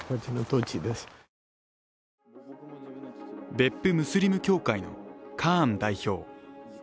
別府ムスリム協会のカーン代表。